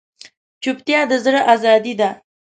چوپتیا، د زړه ازادي ده.